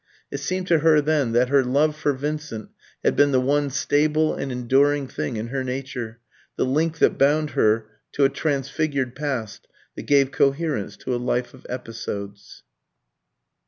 It seemed to her then that her love for Vincent had been the one stable and enduring thing in her nature, the link that bound her to a transfigured past, that gave coherence to a life of episodes.